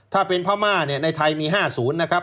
ถ้าเป็นพม่าเนี่ยในไทยมี๕๐นะครับ